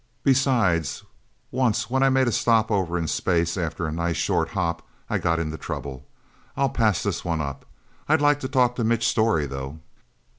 Besides, once when I made a stopover in space, after a nice short hop, I got into trouble. I'll pass this one up. I'd like to talk to Mitch Storey, though."